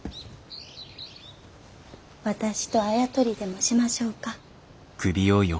私とあや取りでもしましょうか。